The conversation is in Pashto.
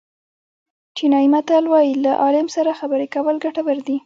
چینایي متل وایي له عالم سره خبرې کول ګټور دي.